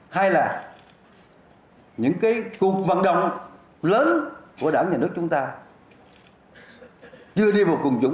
hay là những cái cuộc vận động lớn của đảng nhà nước chúng ta chưa đi vào cùng chúng